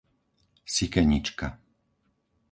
Sikenička